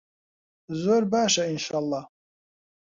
زۆر باشە ئینشەڵا.